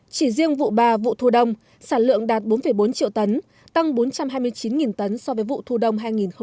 chỉ riêng vụ ba vụ thu đông sản lượng đạt bốn bốn triệu tấn tăng bốn trăm hai mươi chín tấn so với vụ thu đông hai nghìn một mươi chín